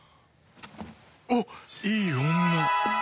おっいい女！